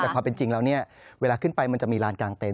แต่ความเป็นจริงแล้วเนี่ยเวลาขึ้นไปมันจะมีลานกลางเต็น